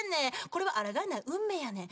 これはあらがえない運命やねん。